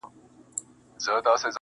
نندارې ته د څپو او د موجونو-